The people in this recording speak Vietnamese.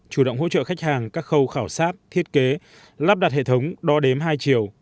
chủ động hỗ trợ khách hàng các khâu khảo sát thiết kế lắp đặt hệ thống đo đếm hai chiều